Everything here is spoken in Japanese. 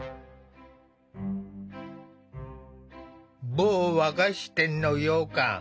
某和菓子店のようかん。